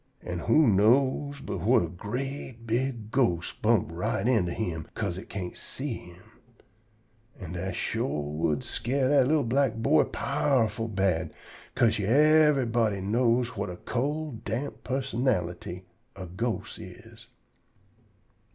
An' who know but whut a great, big ghost bump right into him 'ca'se it can't see him? An' dat shore w'u'd scare dat li'l black boy powerful bad, 'ca'se yever'body knows whut a cold, damp pussonality a ghost is.